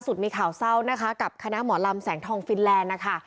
มีข่าวเศร้านะคะกับคณะหมอลำแสงทองฟินแลนด์นะคะ